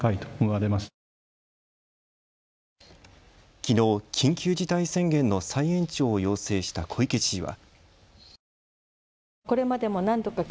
きのう緊急事態宣言の再延長を要請した小池知事は。